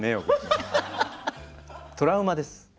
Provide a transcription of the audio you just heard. トラウマです。